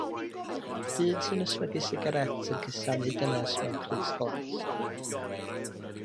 Dyn sy'n ysmygu sigarét yn cusanu dynes mewn crys glas.